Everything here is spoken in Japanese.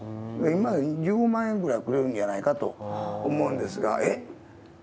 今で１５万円ぐらいくれるんじゃないかと思うんですけど、えっ？